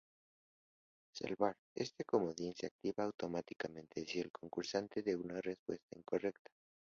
Salvar: Este comodín se activa automáticamente si el concursante da una respuesta incorrecta.